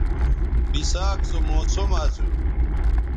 بِساک سو موسم اسو